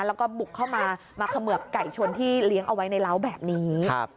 แล้วก็บุกเข้ามามาเขมือบไก่ชนที่เลี้ยงเอาไว้ในร้าวแบบนี้